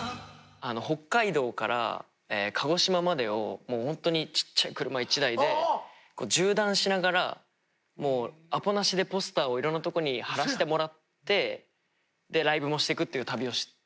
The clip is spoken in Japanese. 北海道から鹿児島までをホントにちっちゃい車１台で縦断しながらもうアポなしでポスターをいろんなとこに貼らしてもらってライブもしてくっていう旅をしたんですよ。